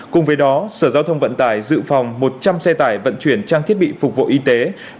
cùng với đó sở giao thông vận tải dự phòng một trăm linh xe tải vận chuyển trang thiết bị phục vụ y tế